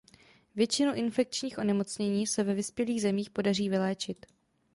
Většinu infekčních onemocnění se ve vyspělých zemích podaří vyléčit.